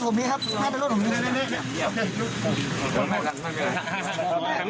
กลุ่มตัวเชียงใหม่